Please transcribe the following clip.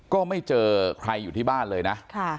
ก็ไม่เจอใครอยู่ที่บ้านเลยนะ